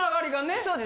そうです